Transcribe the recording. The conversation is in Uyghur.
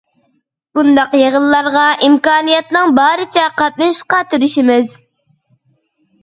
بۇنداق يىغىنلارغا ئىمكانىيەتنىڭ بارىچە قاتنىشىشقا تىرىشىمىز.